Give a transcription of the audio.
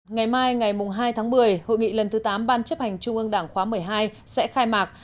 ngày mai ngày hai tháng một mươi hội nghị lần thứ tám ban chấp hành trung ương đảng khóa một mươi hai sẽ khai mạc